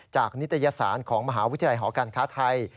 นิตยสารของมหาวิทยาลัยหอการค้าไทย